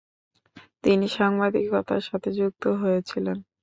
তিনি সাংবাদিকতার সাথে যুক্ত হয়েছিলেন।